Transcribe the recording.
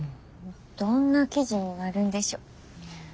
どんな記事になるんでしょ。